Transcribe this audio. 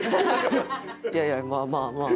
いやいやまあまあまあ。